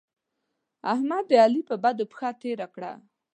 احمد؛ د علي پر بدو پښه تېره کړه.